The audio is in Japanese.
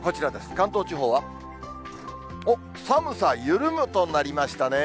関東地方は、おっ、寒さ緩むとなりましたね。